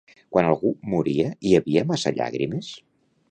Quan algú moria hi havia massa llàgrimes?